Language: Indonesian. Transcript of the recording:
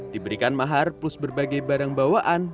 diberikan mahar plus berbagai barang bawaan